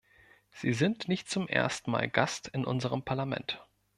Sie sind nicht zum ersten Mal Gast in unserem Parlament.